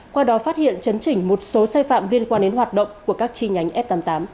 qua đó phát hiện chấn chỉnh một số sai phạm liên quan đến hoạt động của các chi nhánh f tám mươi tám